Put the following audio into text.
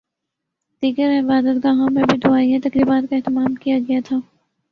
دیگر عبادت گاہوں میں بھی دعائیہ تقریبات کا اہتمام کیا گیا تھا